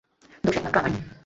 দোষ একমাত্র আমারই।